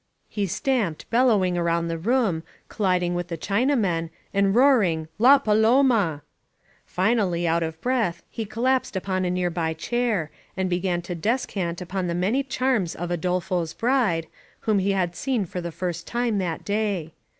He stamped bel lowing around the room, colliding with the Chinamen, and roaring *T.a Paloma." Finally, out of breath, he collapsed upon a nearby chair, and began to descant upon the many charms of Adolfo's bride, whom he had seen for the first time that day.